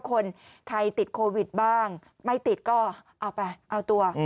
คนใครติดโควิดบ้างไม่ติดก็เอาไปเอาตัว